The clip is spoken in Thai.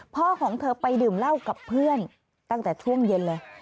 ของเธอไปดื่มเหล้ากับเพื่อนตั้งแต่ช่วงเย็นเลย